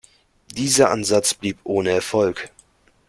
Dieser Ansatz blieb ohne Erfolg.